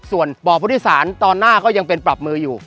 ส่วนบ่อพุทธศาลตอนหน้าก็ยังเป็นปรับมืออยู่